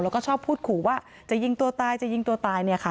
แล้วก็ชอบพูดขู่ว่าจะยิงตัวตายจะยิงตัวตายเนี่ยค่ะ